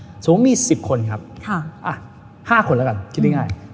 สมมุติมี๑๐คนครับ๕คนแล้วกันคิดง่าย